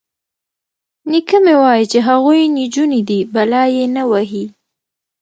_نيکه مې وايي چې هغوی نجونې دي، بلا يې نه وهي.